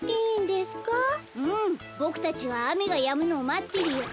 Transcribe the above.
うんボクたちはあめがやむのをまってるよ。